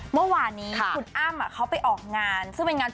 เมื่อวานนี้คุณอ้ามเขาไปออกงาน